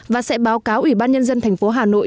và sẽ báo cáo ủy ban nhân dân thành phố hà nội